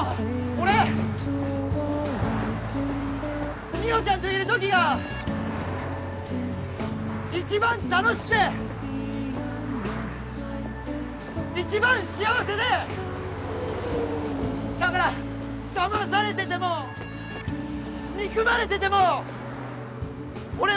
俺美穂ちゃんといるときがッ一番楽しくてッ一番幸せでッだからだまされててもッ憎まれててもッ